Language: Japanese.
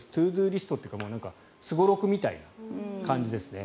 ＴｏＤｏリストというかすごろくみたいな感じですね。